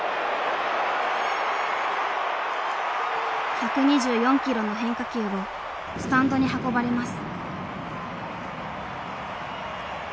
１２４キロの変化球をスタンドに運ばれます。